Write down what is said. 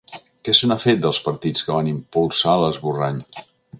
Què se n’ha fet, dels partits que van impulsar l’esborrany?